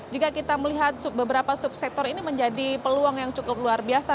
jika kita melihat beberapa subsektor ini menjadi peluang yang cukup luar biasa